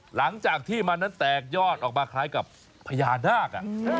หลังจากที่มันนั้นแตกยอดออกมาคล้ายกับพญานาค